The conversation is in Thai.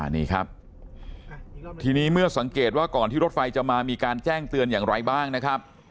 นี่ครับทีนี้เมื่อสังเกตว่าก่อนที่รถไฟจะมามีการแจ้งเตือนอย่างไรบ้างนะครับ